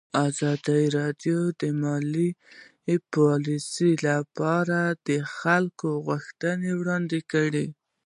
ازادي راډیو د مالي پالیسي لپاره د خلکو غوښتنې وړاندې کړي.